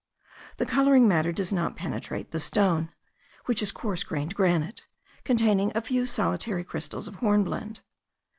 The colouring matter does not penetrate the stone, which is coarse grained granite, containing a few solitary crystals of hornblende.